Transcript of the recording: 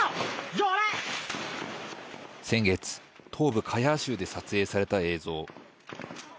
先月東部カヤー州で撮影された映像。